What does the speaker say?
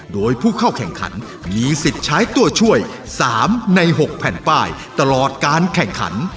โดยผู้เข้าแข่งขันมีสิทธิ์ใช้ตัวช่วย๓ใน๖แผ่นป้ายตลอดการแข่งขัน